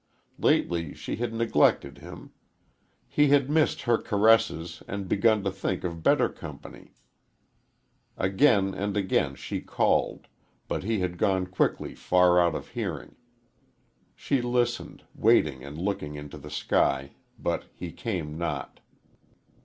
Lately she had neglected him. He had missed her caresses and begun to think of better company, Again and again she called, but he had gone quickly far out of hearing. She listened, waiting and looking into the sky, but he came not.